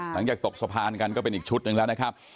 ตกสะพานกันก็เป็นอีกชุดหนึ่งแล้วนะครับ